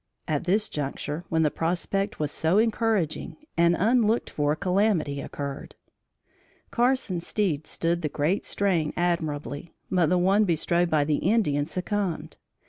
At this juncture, when the prospect was so encouraging, an unlooked for calamity occurred. Carson's steed stood the great strain admirably, but the one bestrode by the Indian succumbed.